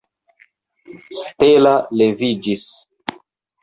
Stella leviĝis.